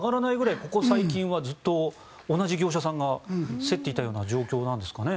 ここ最近はずっと同じ業者さんが競っていたような状況なんですかね。